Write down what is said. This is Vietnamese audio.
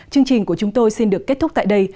chương trình của chúng tôi xin được kết thúc tại đây